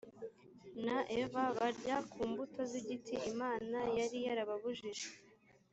na eva barya ku mbuto z igiti imana yari yarababujije